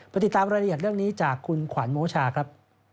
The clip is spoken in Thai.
ติดตามรายละเอียดเรื่องนี้จากคุณขวัญโมชาครับ